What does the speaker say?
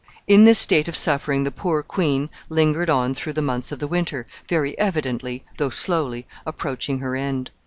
In this state of suffering the poor queen lingered on through the months of the winter, very evidently, though slowly, approaching her end.